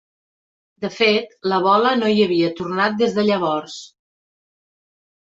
De fet, la bola no hi havia tornat des de llavors.